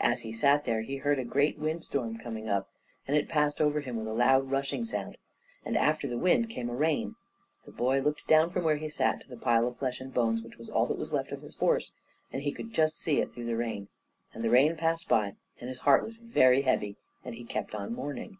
As he sat there, he heard a great wind storm coming up, and it passed over him with a loud rushing sound, and after the wind came a rain. The boy looked down from where he sat to the pile of flesh and bones, which was all that was left of his horse, and he could just see it through the rain. And the rain passed by, and his heart was very heavy, and he kept on mourning.